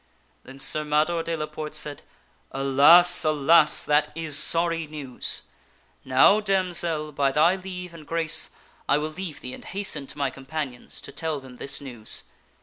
Then Sir Mador de la Porte said, " Alas ! alas ! that is sorry news ! Now, damsel, by thy leave and grace, I will leave thee and hasten to my companions to tell them this news."